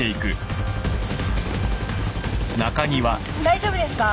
大丈夫ですか？